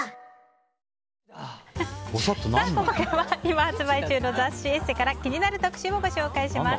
ここからは今発売中の雑誌「ＥＳＳＥ」から気になる特集をご紹介します。